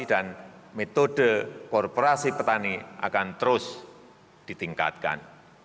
dan metode kooperasi petani akan terus ditingkatkan